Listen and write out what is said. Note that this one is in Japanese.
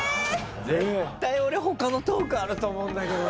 絶対俺他のトークあると思うんだけどな。